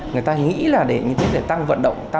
người ta nghĩ là để tăng vận động